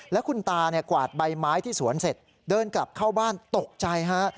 แล้วคุณตากวาดใบไม้ที่สวนเสร็จเดินกลับเข้าบ้านตกใจฮะ